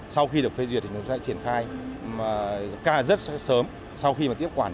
sau khi được phê duyệt thì chúng tôi sẽ triển khai rất sớm sau khi tiếp quản